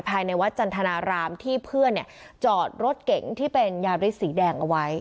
ภายในวัดจันทนารามที่เพื่อนจอดรถเก๋งที่เป็นยาริสสีแดงเอาไว้